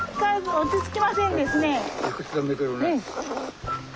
落ち着きませんですね。